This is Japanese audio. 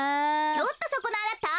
ちょっとそこのあなた。